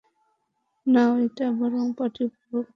নাও এটা, এবং পার্টি উপভোগ করো!